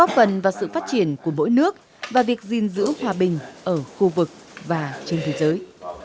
phần vào sự phát triển của mỗi nước và việc gìn giữ hòa bình ở khu vực và trên thế giới